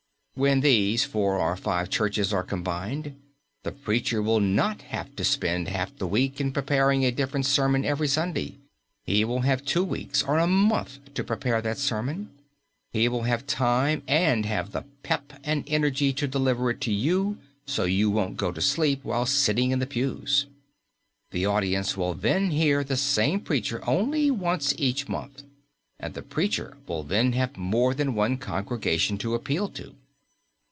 When these four or five churches are combined, the preacher will not have to spend half the week in preparing a different sermon every Sunday. He will have two weeks or a month to prepare that sermon. He will have time and have the "pep" and energy to deliver it to you so you won't go to sleep while sitting in the pews. The audience will then hear the same preacher only once each month, and the preacher will then have more than one congregation to appeal to.